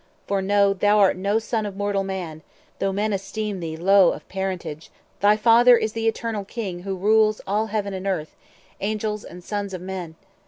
For know, thou art no son of mortal man; Though men esteem thee low of parentage, Thy Father is the Eternal King who rules All Heaven and Earth, Angels and sons of men.